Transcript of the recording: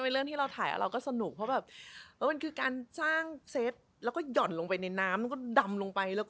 แล้วแบบเกวี